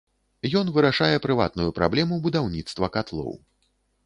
Ён вырашае прыватную праблему будаўніцтва катлоў.